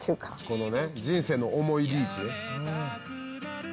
「このね人生の重いリーチね」